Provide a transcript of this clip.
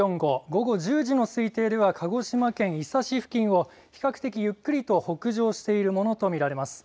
午後１０時の推定では鹿児島県伊佐市付近を比較的ゆっくりと北上しているものと見られます。